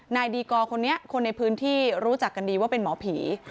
นายดีกอร์คนนี้คนในพื้นที่รู้จักกันดีว่าเป็นหมอผี